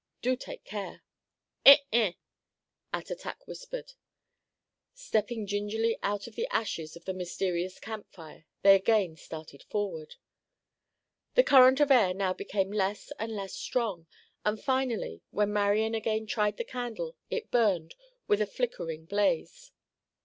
_" (Do take care!) "Eh eh," Attatak whispered. Stepping gingerly out of the ashes of the mysterious camp fire, they again started forward. The current of air now became less and less strong, and finally when Marian again tried the candle it burned with a flickering blaze.